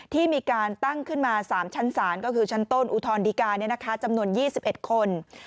ที่มีการตั้งขึ้นมา๓ชั้นศาลก็คือชั้นต้นอุทธรณดีกาจำนวน๒๑คน